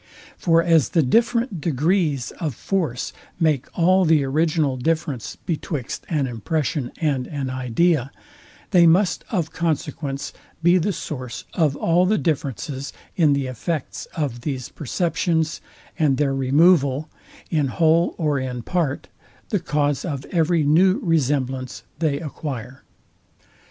For as the different degrees of force make all the original difference betwixt an impression and an idea, they must of consequence be the source of all the differences in the effects of these perceptions, and their removal, in whole or in part, the cause of every new resemblance they acquire.